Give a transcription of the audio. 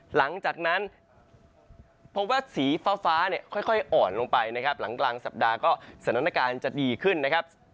หลังจากนั้นพบว่าสีฟ้าเนี่ยค่อยอ่อนลงไปนะครับหลังกลางสัปดาห์ก็สถานการณ์จะดีขึ้นนะครับ